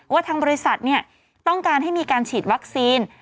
ว่าทางบริษัทต้องการให้มีการฉีดวัคซีน